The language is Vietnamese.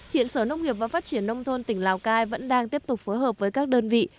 hiện sở nông nghiệp và phát triển nông thôn tỉnh lào cai vẫn đang tiếp tục phối hợp với các đơn vị